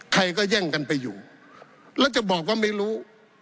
ใครก็แย่งกันไปอยู่แล้วจะบอกว่าไม่รู้